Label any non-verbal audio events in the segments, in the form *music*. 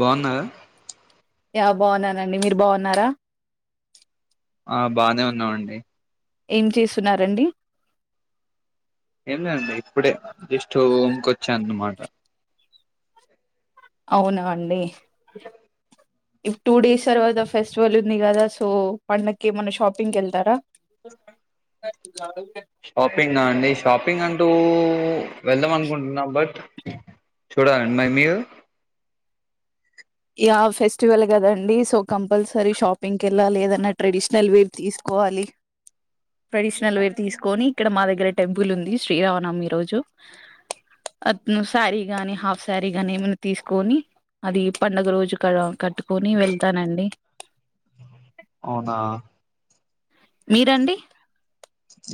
బాగున్నారా యా బాగున్నానండి మీరు బాగున్నారా ఆ బాగానే ఉన్నామండి ఏం చేస్తున్నారండి ఏం లేదండి ఇప్పుడే జస్ట్ ఉకొచ్చాను అన్నమాట అవునా అండి ఇ టూ డేస్ తర్వాత ఫెస్టివల్ ఉంది కదా సో పండక్కి ఏమన్నా షాపింగ్ కి వెళ్తారా షాపింగ్ గా అండి షాపింగ్ అంటూ వెళ్దాం అనుకుంటున్నాం బట్ చూడాలండి మై మీరు ఇ ఫెస్టివల్ కదండి సో కంపల్సరీ షాపింగ్కి వెళ్ళాలి ఏదన్నా ట్రెడిషనల్ వేర్ తీసుకోవాలి ట్రెడిషనల్ వేర్ తీసుకొని ఇక్కడ మా దగ్గర టెంపుల్ ఉంది శ్రీరామనమి రోజు అతను శారీ గాని హాఫ్ శారీగాని ఏమ తీసుకొని అది పండుగ రోజు క కట్టుకొని వెళ్తానండి అవునా మీరండి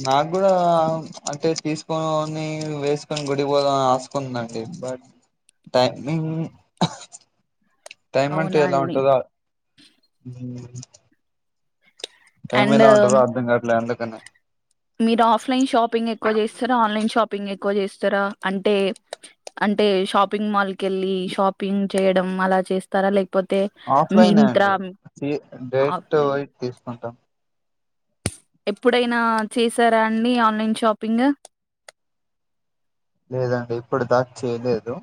నాకు కూడా అంటే తీసుకని వేసుకొని గుడిపోదాంని ఆసుకుందండి బట్ టైమింగ్ టైం అంటే అవునా ఎలా అండి ఉంటందా టైమల అండ్ ఎలా ఉంటుందో అర్థం కావట్లే తనే మీరు ఆఫ్లైన్ షాపింగ్ ఎక్కువ చేస్తారా ఆన్లైన్ షాపింగ్ ఎక్కువ చేస్తారా అంటే అంటే షాపింగ్ మాల్క్ వెళ్ళి షాపింగ్ చేయడం అలా చేస్తారా లేక్ ఆఫ్లైన్ అండి డైట్ టు ఆఫ్లైన్ వైట్ తీసుకుంటాం ఎప్పుడైనా చేసారా అండి ఆన్లైన్ షాపింగ్ లేదండి ఇప్పుడు దాక్ చేయలేదు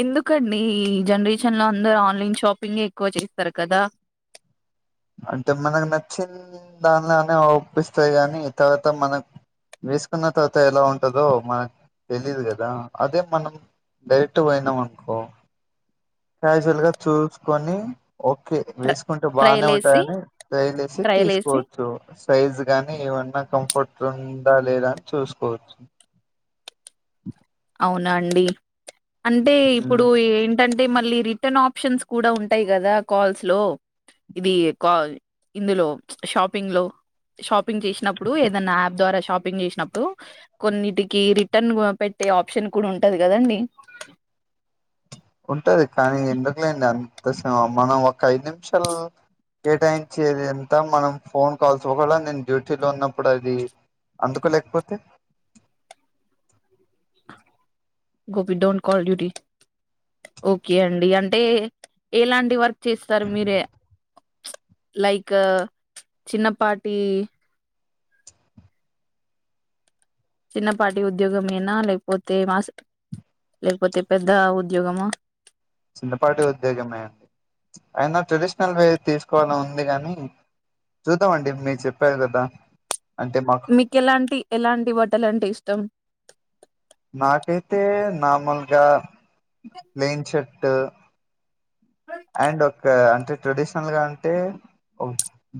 ఎందుకండి ఈ జనరేషన్ లో అందరు ఆన్లైన్ షాపింగ్ ఎక్కువ చేస్తారు కదా అంటే మనకు నచ్చిన దానిలోనే ఒప్పిస్తాయి కాని తర్వాత మనం వేసుకున్న తర్వాత ఎలా ఉంటందో మనకు తెలియదు కదా అదే మనం డైరెక్ట్ పోయినాం అనుకో క్యాజువల్ గా చూసుకొని ఓకే ట్ర వేసుకుంటే బాగానే ట్రయల్ ఉం ఏసి కాని ట్రైలేసి ట్రయల్ ఏసి తీసుకోవచ్చు సైజ్ గానీ ఏమన్నా కంఫర్ట్ ఉందా లేదా అని చూసుకోవచ్చు వునా అండి అంటే ఇప్పుడు ఉమ్, ఏంట అంటే మళ్ళీ రిటర్న్ ఆప్షన్స్ కూడా ఉంటాయి కదా కాల్స్ లో ఇది ఇందులో షాపింగ్ లో షాపింగ్ చేసినప్పుడు ఏదన్నా యాప్ ద్వారా షాపింగ్ చేసినప్పుడు కొన్నిటికి రిటర్న్ పెట్ ట్టే ఆప్షన్ కూడా ఉంటంది కదండి ఉంటది కానీ ఎందుకులేండి అంత మనం ఒక ఐదు నిమిషాలు కేటాయించిది అంత మనం ఫోన్ కాల్స్ కూడా నేను డ్యూటీ లో ఉన్నప్పుడు అది అందుకోలేకపోతే ఓకే అండి అంటే ఎలాంటి వర్క్ చేస్తారు మీరే లైక్ చిన్నపాటి చిన్నపాటి ఉద్యోగమేనా లేకపోతే మాస్ లేకపోతే పెద్ద ఉద్యోగమా చిన్నపాటి ఉద్యోగమేయంది అయినా ట్రెడిషనల్ వే తీసుకోవాల ఉంది కాని చూద్దామండి మీరు చెప్పారు కదా అంటే మాకు మీకెలాంటి ఎలాంటి బట్టలంటే ఇష్టం నాకైతే నార్మల్ గా ప్లేన్ శర్ట్ ట్ అండ్ ఒక అంటే ట్రెడిషనల్ గా అంటే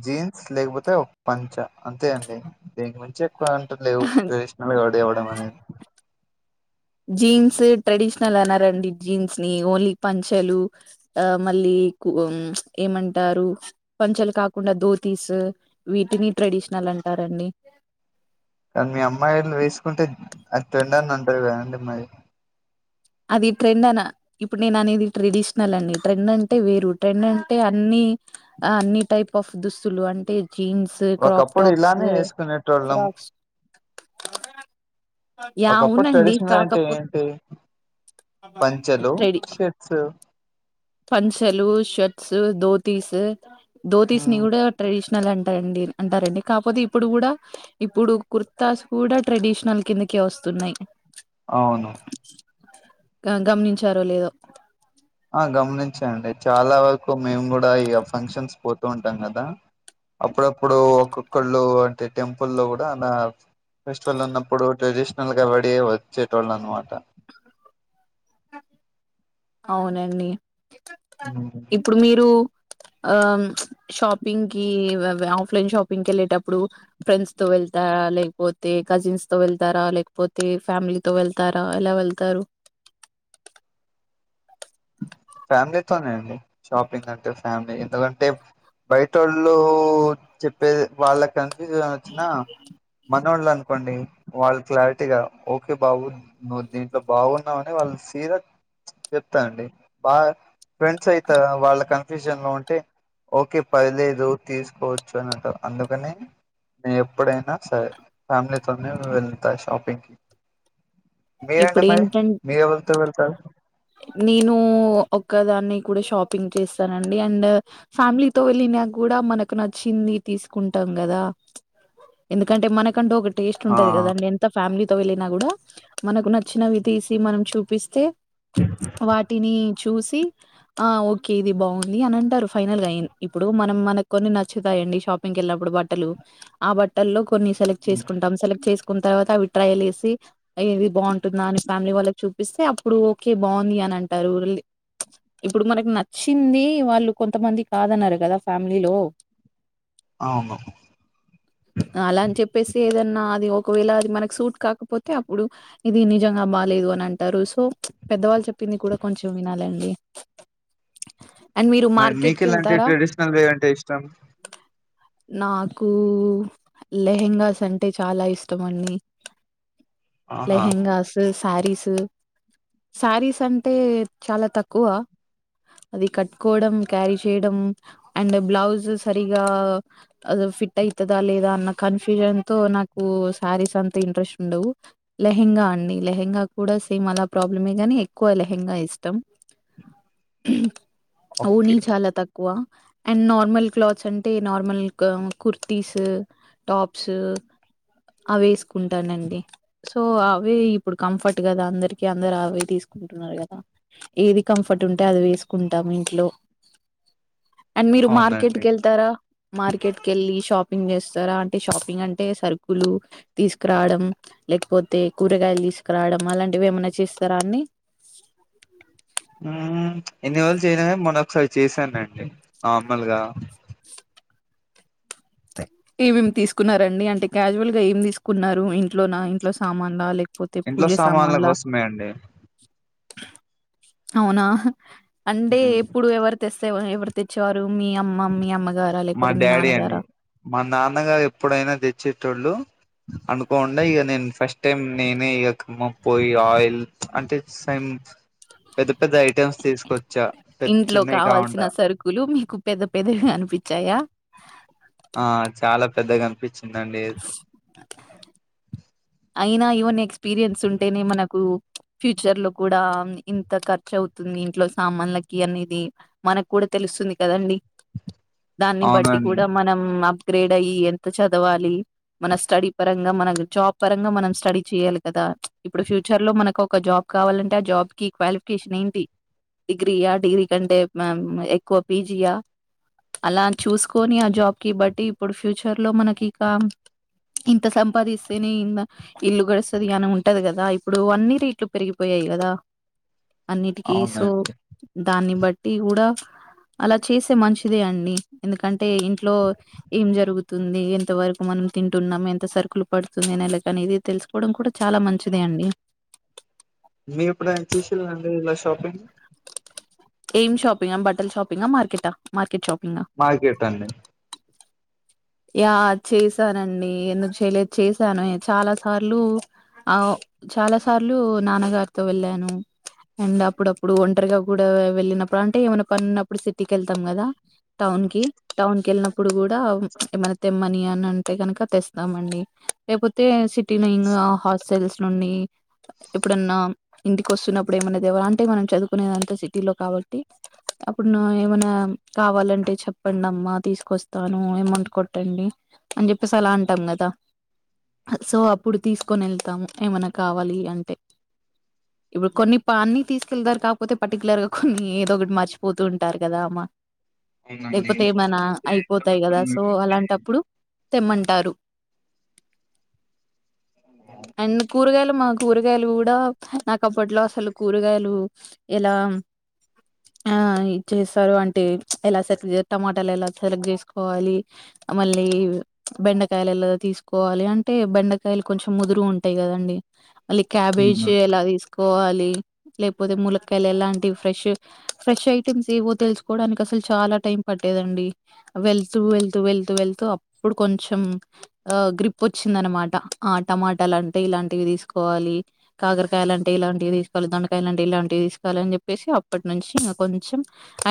జీన్స్ లేకపోతే ఒక పంచ అంతే అండి దీనికి మంచి అంట లేవు ట్రెడిషనల్ గా రెడీ ఆవ్వడం అనేది జీన్స్ ట్రెడిషనల్ అనారండి జీన్స్ ని ఓన్లీ పంచలు ఆ మళ్ళీ ఏమంటారు పంచలు కాకుండా ధోతీస్ వీటిని ట్రెడిషనల్ అంటారండి కానీ మీ అమ్మాయిళ వేసుకుంటే అది *unintelligible* అని అంటారు కదండి మరి అది ట్రెండ్ అన ఇప్పుడు నేను అనేది ట్రెడిషనల్ అన్ని ట్రెండ్ అంటే వేరు ట్రెండ్ అంటే అన్ని అన్ని టైప్ ఆఫ్ దుస్తులు అంటే జీన్స్ క్రాప్ ఒకప్పుడు టాప్స్ ఇలానే వేసుకునేటోళ్ళం ఫ్రాక్స్. యా ఒకప్పుడు అవునండి ట్రెడిషనల్ అంటే కాకపోతే ఏంటి పంచలు ట్రెడి షెట్స్ పంచలు షర్ట్స్ ధోతీస్ దోతీసు ని హ్మ్. కూడా ట్రెడిషనల్ అంట అంటడి అంటారండి కాకపోతే ఇప్పుడు కూడా ఇప్పుడు కుర్తాస్ కూడా ట్రెడిషనల్ కిందకే వస్తున్నాయి అవును గమనించారో లేదో ఆ గమనించండి చాలా వరకు మేము కూడా ఇ ఫంక్షన్స్ పోతూ ఉంటాం కదా అప్పుడప్పుడు ఒక్కొక్కళ్ళు అంటే టెంపుల్ లో కూడా అలా ఫెస్టివల్ ఉన్నప్పుడు ట్రెడిషనల్ గా రెడీ అయ్యి వచ్చేటోళ్ళ అనమాట అవునండి ఇప్పుడు మీరు ఆ షాపింగ్ కి ఆఫ్లైన్ షాపింగ్కి వెళ్ళేటప్పుడు ఫ్రెండ్స్ తో వెళ్తా లేకపోతే కజిన్స్ తో వెళ్తారా లేకపోతే ఫ్యామిలీతో వెళ్తారా ఎలా వెళ్తారు ఫ్యామిలీతోనే అండి షాపింగ్ అంటే ఫ్యామిలీ ఎందుకంటే బయట వాళ్ళు చెప్పే వాళ్ళకి కన్ఫ్యూజన్ వచ్చిన మనోళ్లు లని అనుకోండి వాళ్ళు క్లారిటీగా ఓకే బాబు నువ్వు దీంట్లో బాగున్నావని వాళ్ళు సిరియస్ చెప్తా అండి బాగా ఫ్రెండ్స్ అయితే వాళ్ళ కన్ఫ్యూజన్ లో ఉంటే ఓకే పదిలేదు తీసుకోవచ్చు అని అంట అందుకని నే ఎప్పుడైనా సరే ఫ్యామిలీతోనే వెళ్తా షాపింగ్కి మీరేంటే ఇప్పుడు మరి ఏంటంటే మీర ఎవరితో వెళ్తారు నేను ఒకదాన్ని కూడా షాపింగ్ చేస్తానండి అండ్ ఫ్యామిలీతో వెళ్ళినా కూడా మనకు నచ్చింది తీసుకుంటాం కదా ఎందుకంటే మనకంటే ఒక టేస్ట్ ఆ ఉంటంది కదండి ఎంత ఫ్యామిలీ వెళ్ళినా కూడా మనకు నచ్చినవి తీసి మనం చూపిస్తే వాటిని చూసి ఆ ఓకే ఇది బాగుంది అని అంటారు ఫైనల్గా ఇప్పుడు మనం మనకు కొన్ని నచ్చుతాయిడి షాపింగ్ వెళ్ళినప్పుడు బట్టలు ఆ బట్టల్లో కొన్ని సెలెట్ చేసుకుంటం సెలక్ట్ చే న్న తర్వాత అవి ట్రయల్ వేసి ఏది బాగుంటుందా అని ఫ్యామిలీ వాళ్ళకి చూపిస్తే అప్పుడు ఓకే బాగుంది అని అంటారు *unintelligible* ఇప్పుడు మనకు నచ్చింది వాళ్ళు కొంతమంది కాదన్నారు కదా ఫ్యామిలీలో అవును అలా అని చెప్పేసి ఏదన్నా అది ఒక వేళ్ళ అది మనకు సూట్ కాకపోతే అప్పుడు ఇది నిజంగా బాదు అని అంటారు సో పెద్దవాళ్ళు చె ప్పింది కూడా కొంచెం వినాలండి. అండ్ మీరు మరి మార్కెట్ కి మీకెలాంటి వెళ్తారా ట్రెడిషనల్ వే అంటే ఇష్టం నాకు లెహెంగాస్ అంటే చాలా ఇష్టం అండి. ఆహా లెహెంగాస్ సారీస్ ఉ సారీస్ అంటే చాలా తక్కువ అది కట్టుకోవడం క్యారీ చేయడం అండ్ బ్లౌజ్ సరిగా అ ఫిట్ అయితదా లేదా అన్న కన్ఫ్యూజన్ తో నాకు సారీస్ అంతా ఇంట్రెస్ట్ ఉండవు లెహెంగా అండి లెహెంగా కూడా సేమ్ అలా ప్రాబ్లమే గాని ఎక్కువ లెహంగా ఇష్టం. ఓనీ ఓకే చాల త ఎక్కువ అండ్ నార్మల్ క్లాత్స్ అంటే నార్మల్ కుర్తస్ టాప్స్ అవేసుకుంటానండి. సో అవే ఇప్పుడు కంఫర్ట్ కదా అందరి కి అందరు ఆ అవే తీసుకుంటున్నారు కదా ఏది కంఫర్ట్ ఉంటే అది వేసుకుంటాము ఇంట్లో. అండ్ మీరు మార్కెట్ అవునండి కెళ్తారా మార్కెట్ కెళ్లి షాప్ పింగ్ చేస్తారు అే షాపింగ్ అంటే సరుకులు తీసుకురావడం లేకపోతే కూరగాయలు తీసుకురావడం అలాంటివి ఏమన్నా చేస్తారా అన్ని హు ఇన్ని రోజులు చేయలే గాని మొన్న ఒకసారి చేశానండి నార్మల్గా. ఏమేమి తీసుకున్నారండి అంటే క్యాజువల్ గా ఏమి తీసుకున్నారు ఇంట్లో నా ఇంట్లో సామాన్లా లేకప్ ఇంట్లో సామాన్ల కోసమే అండి. అవునా అంటే మ్మ్ ఎప్పుడు ఎవరి తెస్తే ఎవర్ తెచ్చారు మీ అమ్మ మీ అమ్ గారా మా లేకపోతే మీ డాడీ అండి నాన్నగారా మా నాన్నగారు ఎప్పుడైనా తెచ్చేటోళ్ళు అనుకోకుండా ఇక నేను ఫస్ట్ టైం నేనే ఇక కమ్మ పోయి ఆయిల్ అంటే స పెద్ద పెద్ద ఐ టమ్స్ తీసుకొచ్చా ఇంట్లో చిన్నవి కావాల్సిన కాకుండా సరుకులు మీకు పెద్ద పెదవి అనిపిచ్చాయా ఆ చాలా పెద్దగా అనిపిచ్ దండీ అయినా ఈవన్ ఎక్స్పీరియన్స్ ఉంటేనే మనకు ఫ్యూచర్ లో కూడా ఇంత ఖర్చు అవుతుంది. ఇంట్లో సామాన్లకి అనేది మనకు కూడా తెలుస్తుంది. దాన్ని బట్టి అవునండి కూడా మనం గ్రేడ్ అయి ఎంత చదవాలి మన స్టడీ పరంగా మనం జాబ్ పరంగా మనం స్టడీ చేయాలి కదా ఇప్పుడు ఫ్యూచర్ లో మనకు ఒక్ ఒక జాబ్ కావాలంటే ఆ జాబ్ కి క్వాలిఫికేషన్ ఏంటి డిగ్రీయా డిగ్రీ కంటే ఎక్కువ పిజియా అలా చూసుకోని ఆ జాబ్ కి బట్టీ ఇప్పుడు ఫ్యూచర్ లో మనకి ఇక ఇంత సంపాదిస్తే నే ఇల్లు గడుస్తుంది అని ఉంటది కదా ఇప్పుడు అన్ని రేట్లు పెరిగిపోయాయి కదా. అన్నిటికీ సో అవునండి దాన్ని బ టి కూడా అలా చేసే మంచిదే అండి ఎందుకంటే ఇంట్లో ఏం జరుగుతుంది ఎంత వరకు మనం తింటున్నామ్ ఎంత సరుకులు పడు ంది నేనలా కానీ ఇది తెలుసుకోవడం కూడా చాలా మంచిదే అండి మీ ఇప్పుడయిన చేసిల్లాండి ఇలా షాపింగ్ ఏం షాపింగ్ బట్టల షాపింగ్ ఆ మార్కెట్ ఆ మార్కెట్ షాప్ మార్కెట్ అండి యా చేసానండి ఎందుకు చేయలేదు చేసాను చాలా సార్లు ఆ చాలా సార్లు నాన్నగారితో వెళ్ళాను అండ్ అప్పుడప్పుడు ఒంటరిగా కూడా వెళ్ళినప్పుడు అంటే ఏమైనా పని ఉన్నప్పుడు సిటీకి వెళ్తాం కదా టౌన్ కి టౌన్ కి వెళ్ళినప్పుడు కూడా ఏమైనా తెమ్మని అని అంటే కనుక తెస్తామండి లేకపోతే సిటీలో ఇంకా హాస్టల్స్ నుండి ఎప్పుడన్నా ఇంటిక వస్తున్నప్పుడు ఏమైనావాల అంటే మనం చదువుకునేదంతా సిటీలో కాబట్టి అప్పుడు ఏమైనా కావాలంటే చెప్పండి అమ్మా తీసుకొస్తాను ఏమోంట్ కొట్టండి అని చెప్పేసి అలా అంటాం కదా సో అప్పుడు తీసుకొని వెళ్తాము ఏమైనా కావాలి అంటే ఇప్పుడు కొన్ని పాన్ని తీసుకెళ్తారు కాకపోతే పర్టికులర్ గా కొన్ని ఏదో ఒకటి మర్చిపోతూ ఉంటారు కదా అమ్మ అవునండి లేకపోతే ఏమన్నా అయిపోతాయి కదా వో అలాంటప్పుడు తెమ్మంటారు ఎన్ని కూరగాయలు మా కూరగాయలు కూడా నాకప్పట్లో అసలు కూరగాయలు ఎలా ఆ ఇ చేస్తారు అంటే ఎలా సెలెక్ట్ టమాటాలు ఎలా సెలెక్ట్ చేసుకోవాలి మళ్ళీ బెండకాయలు ఎలా తీసుకోవాలి అంటే బెండకాయలు కొంచెం ముదురు ఉంటాయి కదండి మళ్ళీ క్యాబేజ్ అవునా ఎలా తీసుకోవాలి క్లీన్ లేకపోతే ములక్కాయలు ఎలాంటివి ఫ్రెష్ ఫ్రెష్ ఐటమ్స్ ఏవొ తెలుసుకోడానికి అసలు చాలా టైం పటేంది అండి వెళ్తూ వెల్ తూ వెళ్తూ వెళ్తూ అప్పుడు కొంచెం గ్రిప్ వచ్చింది అన్నమాట ఆ టమాటాలు అంటే ఇలాంటివి తీసుకోవాలి. కాకరకాయలు అంటే ఇలాంటివి తీసుకోవాలి. దొండకాయలు అంటే ఇలాంటివి తీసుకోవాలి. అని చెప్పేసి అప్పటి నుంచి ఇక కొంచెం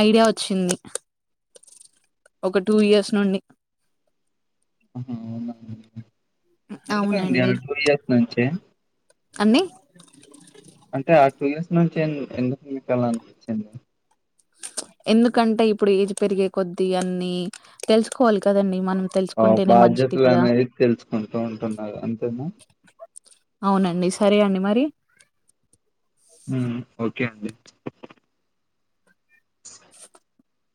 ఐడియా వచ్చింది ఒక టూ ఇయర్స్ నుండి ఉహుమ్ అవునా ఎందుకండి ఆ అవునండి టూ ఇయర్స్ నుంచే అన్నీ అంటే ఆ టూ ఇయర్స్ నుంచే ఎందు ఎందుకు మికళ్ళ అనిపించింది ఎందుకంటే ఇప్పుడు ఏజ్ పెరిగే కొద్దీ అన్ని తెలుసుకోవాలి కదండి మనం ఆ తెలుసుకుంటేనే మంచిది బాధ్యతలు కదా అనేవి తెలుసుకుంటూ ఉంటున్నారు అంతేనా అవునండి సరే అండి మరి ఉమ్ ఓకే అండి